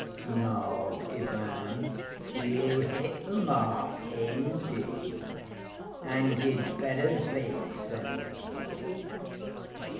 snarled Ivan. "You hit the mark, indeed. And you'd better be sensible."